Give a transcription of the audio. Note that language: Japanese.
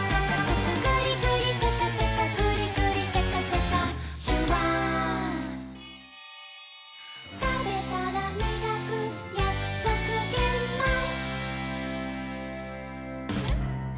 「グリグリシャカシャカグリグリシャカシャカ」「シュワー」「たべたらみがくやくそくげんまん」